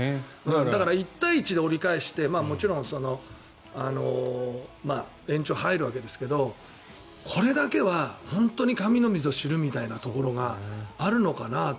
だから１対１で折り返してもちろん延長に入るわけですけどこれだけは本当に神のみぞ知るみたいなところがあるのかなと。